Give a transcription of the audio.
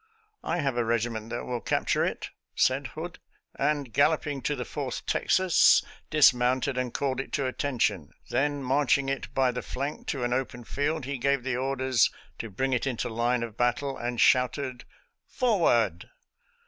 " I have a regiment that will capture it," said Hood; and, galloping to the Fourth Texas, dismounted and called it to atten tion. Then marching it by the flank to an open field, he gave the orders to bring it into line of battle, and shouted, " Forward